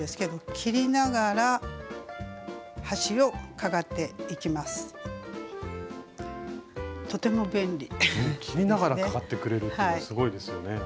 切りながらかがってくれるっていうのはすごいですよね。